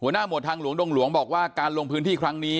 หมวดทางหลวงดงหลวงบอกว่าการลงพื้นที่ครั้งนี้